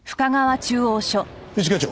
一課長。